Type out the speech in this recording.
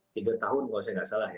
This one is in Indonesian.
tiga tahun kalau saya nggak salah ya